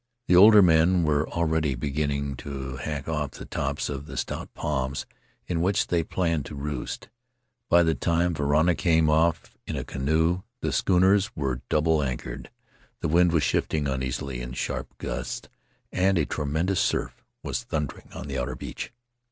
The older men were already beginning to hack off the tops of the stout palms in which they planned to roost. By the time Varana came off in a canoe the schooners were double anchored, the wind was shifting uneasily in sharp gusts, and a tremendous surf was thundering on the outer beach.